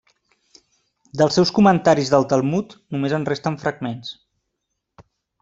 Dels seus comentaris de Talmud només en resten fragments.